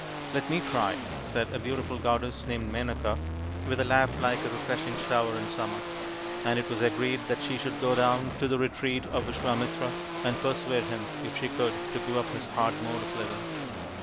" Let me try," said a beautiful goddess named Menaka, with a laugh like a refreshing shower in summer ; and it was agreed that 216 THE INDIAN STORY BOOK she should go down to the retreat of Visvamitra and persuade him, if she could, to give up his hard mode of living.